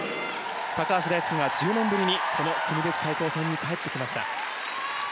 高橋大輔が１０年ぶりに国別対抗戦に帰ってきました。